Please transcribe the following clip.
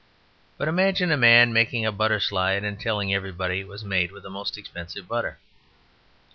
But imagine a man making a butter slide and telling everybody it was made with the most expensive butter.